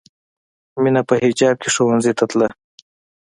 مینه په حجاب کې ښوونځي ته تله